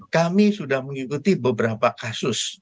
kami sudah mengikuti beberapa kasus